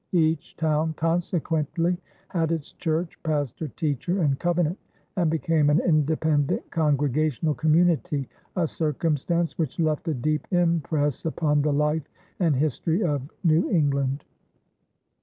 Each town consequently had its church, pastor, teacher, and covenant, and became an independent Congregational community a circumstance which left a deep impress upon the life and history of New England.